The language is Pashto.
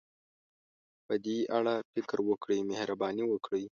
په دې اړه فکر وکړئ، مهرباني وکړئ.